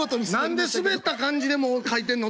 何でスベった感じでもう書いてんの？